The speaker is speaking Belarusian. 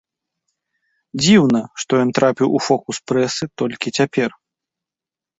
Дзіўна, што ён трапіў у фокус прэсы толькі цяпер.